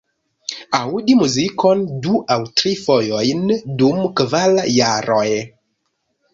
Aŭdi muzikon du aŭ tri fojojn dum kvar jaroj!